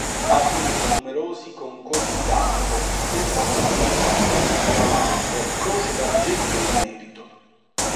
Ha vinto numerosi concorsi d'arte; è stato aggiudicato, tra l'altro, Croce d'Argento al Merito.